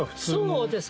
そうです。